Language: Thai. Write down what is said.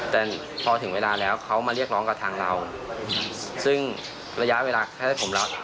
แต่พอถึงเวลาแล้วเขามาเรียกร้องกับทางเราซึ่งระยะเวลาแค่ให้ผมรับ